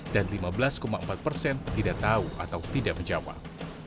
dan lima belas empat persen tidak tahu atau tidak menjawab